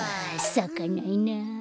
さかないな。